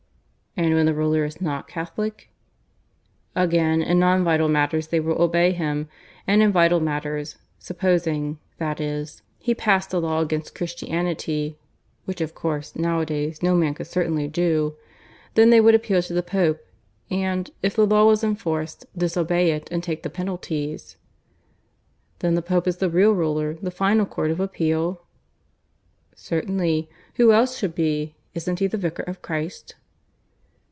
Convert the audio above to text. "And when the ruler is not Catholic?" "Again, in non vital matters they will obey him. And in vital matters supposing, that is, he passed a law against Christianity (which, of course, nowadays no man could certainly do) then they would appeal to the Pope, and, if the law was enforced, disobey it and take the penalties." "Then the Pope is the real ruler the final court of appeal?" "Certainly. Who else should be? Isn't he the Vicar of Christ?"